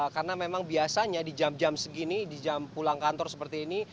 karena memang biasanya di jam jam segini di jam pulang kantor seperti ini